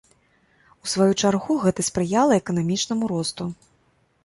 У сваю чаргу, гэта спрыяла эканамічнаму росту.